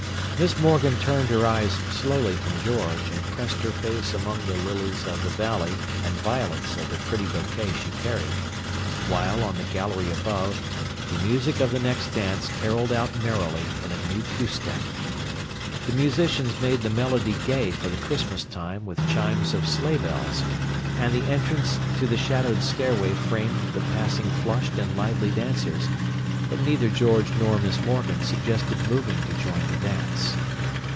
Miss Morgan turned her eyes slowly from George, and pressed her face among the lilies of the valley and violets of the pretty bouquet she carried, while, from the gallery above, the music of the next dance carolled out merrily in a new two step. The musicians made the melody gay for the Christmastime with chimes of sleighbells, and the entrance to the shadowed stairway framed the passing flushed and lively dancers, but neither George nor Miss Morgan suggested moving to join the dance.